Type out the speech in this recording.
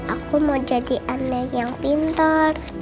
aku mau jadi aneh yang pintar